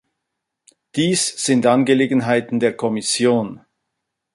Dies sind Angelegenheiten der Kommission.